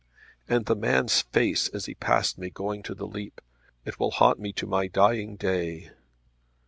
"And the man's face as he passed me going to the leap! It will haunt me to my dying day!"